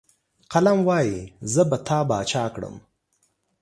قلم وايي، زه به تا باچا کړم.